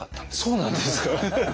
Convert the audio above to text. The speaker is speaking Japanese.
そうなんですか？